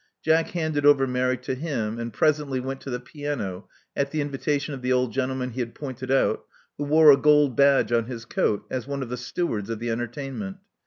Jack handed over Mary to him and presently went to the piano at the invitation of the old gentleman he had pointed out, who wore a gold badge on his coat as one of the stewards of the entertainment.